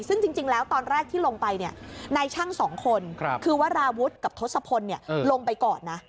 ซึ่งจริงแล้วตอนแรกที่ลงไปในช่างสองคนคือวราวุฒิกับทศพลลงไปก่อนนะ